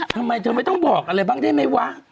ทำไมเธอไม่ต้องบอกอะไรบ้างได้ไหมวะ